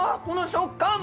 この食感！